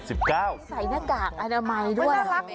ใส่หน้ากากอนามัยด้วย